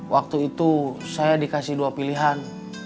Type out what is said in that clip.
waktu itu saya dikasih dua pilihan